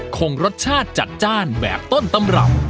คงรสชาติจัดจ้านแบบต้นตำรับ